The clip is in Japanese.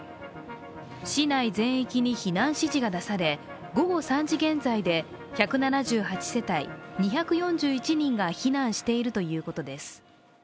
市内全域に避難指示が出され午後３時現在で１７８世帯２４１人が避難しているということです。